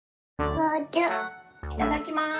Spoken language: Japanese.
いただきます。